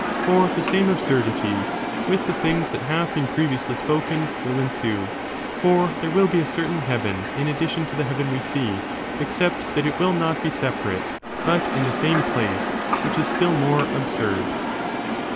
for the same absurdities with the things that have been pre viously spoken will ensue ; for there will be a certain heaven in addition to the heaven we see, except that it will .not be separate, but in the same place, which is still more absurd.